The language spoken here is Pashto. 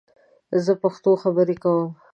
زه پښتو خبرې کوم